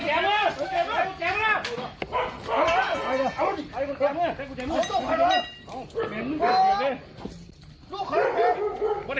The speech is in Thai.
เออเออ